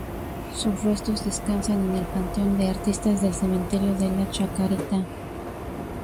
Sus restos descansan en el panteón de artistas del Cementerio de la Chacarita.